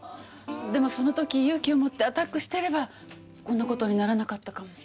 でもその時勇気を持ってアタックしてればこんな事にならなかったかも。